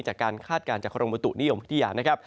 จากการคาดการณ์จากโครงบุตุนิยมพิทยา